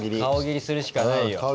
顔切りするしかないよ。